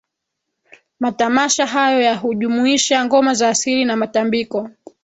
Matamasha hayo hujumuisha ngoma za asili na matambiko